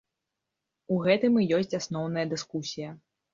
У гэтым і ёсць асноўная дыскусія.